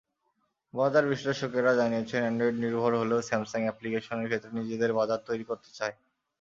বাজার বিশ্লেষকেরা জানিয়েছেন, অ্যান্ড্রয়েডনির্ভর হলেও স্যামসাং অ্যাপ্লিকেশনের ক্ষেত্রে নিজেদের বাজার তৈরি করতে চায়।